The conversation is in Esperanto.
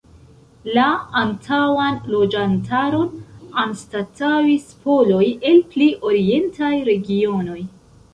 La antaŭan loĝantaron anstataŭis poloj el pli orientaj regionoj.